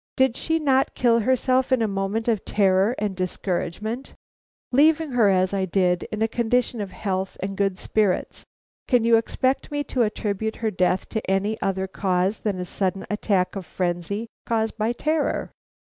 "Did she not kill herself in a moment of terror and discouragement? Leaving her, as I did, in a condition of health and good spirits, can you expect me to attribute her death to any other cause than a sudden attack of frenzy caused by terror?"